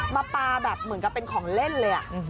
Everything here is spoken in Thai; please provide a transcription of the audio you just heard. มาปลาแบบเหมือนกับเป็นของเล่นเลย